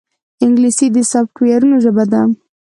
انګلیسي د سافټویرونو ژبه ده